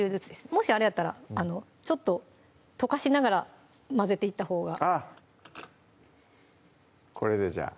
もしあれやったらちょっと溶かしながら混ぜていったほうがあっこれでじゃあ